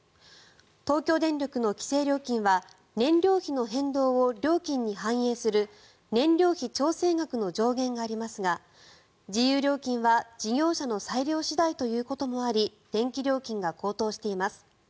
東京電力の規制料金は燃料費の変動を料金に反映する燃料費調整額の上限がありますが自由料金は事業者の裁量次第ということもあり電気料金が高騰しています。